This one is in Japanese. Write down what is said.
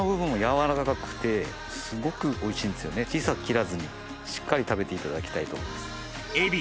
小さく切らずにしっかり食べていただきたいと思います。